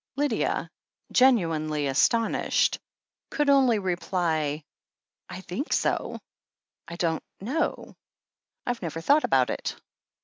Lydia, genuinely astonished, could only reply: "I think so — I don't know — I've never thought about it."